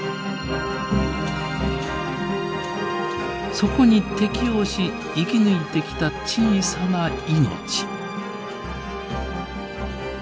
そこに適応し生き抜いてきた小さな命。